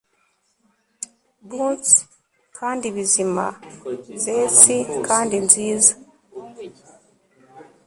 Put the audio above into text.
bouncy kandi bizima, zesty kandi nziza